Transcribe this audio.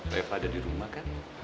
reva ada di rumah kan